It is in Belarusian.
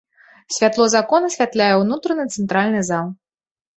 Святло з акон асвятляе ўнутраны цэнтральны зал.